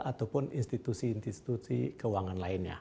ataupun institusi institusi keuangan lainnya